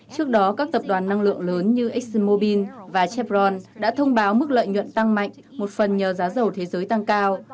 trước đó các tập đoàn năng lượng lớn như exmobil và chatbron đã thông báo mức lợi nhuận tăng mạnh một phần nhờ giá dầu thế giới tăng cao